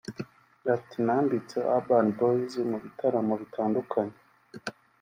Ati “Nambitse Urban Boyz mu bitaramo bitandukanye